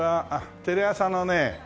テレ朝のね